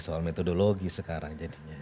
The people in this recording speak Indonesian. soal metodologi sekarang